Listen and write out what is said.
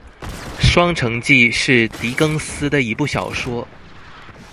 《双城记》是狄更斯的一部小说。